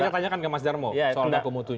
nanti kita tanyakan ke mas zermo soal baku mutunya